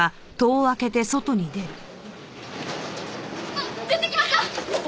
あっ出てきました！